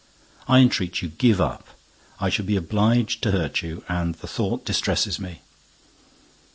I entreat you, give up—I should be obliged to hurt you; and the thought distresses me."